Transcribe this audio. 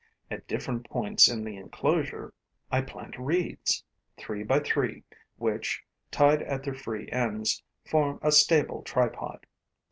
At different points in the enclosure, I plant reeds, three by three, which, tied at their free ends, form a stable tripod.